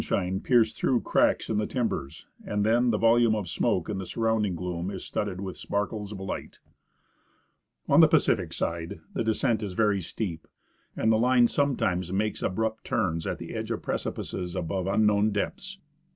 ELIAS shine pierce through cracks in the timbers, and then the volume of smoke in the surrounding gloom is studded with sparkles of light. On the Pacific side the descent is very steep, and the line sometimes makes abrupt turns at the edge of precipices above unknown depths.